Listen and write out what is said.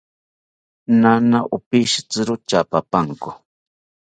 Naana opishitziro tyaapapanko